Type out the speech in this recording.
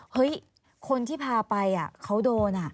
เฮ้ยคนที่พาไปเขาโดน